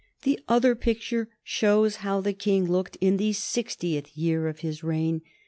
The other picture shows how the King looked in the sixtieth year of his reign.